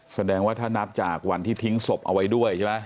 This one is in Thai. แสดงว่าถ้านับจากวันที่ทิ้งศพเอาไว้ด้วยใช่ไหม